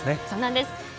そうなんです。